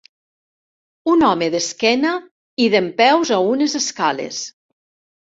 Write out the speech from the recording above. Un home d'esquena i dempeus a unes escales.